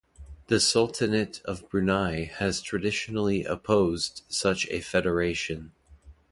The Sultanate of Brunei has traditionally opposed such a federation.